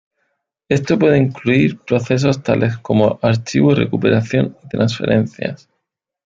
Esto puede incluir procesos tales como archivo, recuperación y transferencias.